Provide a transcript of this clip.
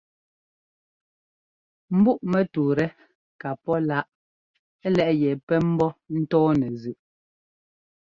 Mbúꞌmɛtúutɛ ka pɔ́ láꞌ lɛ́ꞌ yɛ pɛ́ ḿbɔ́ ńtɔɔnɛ zʉꞌ.